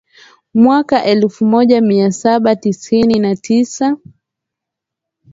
mwaka elfu moja mia saba tisini na tisa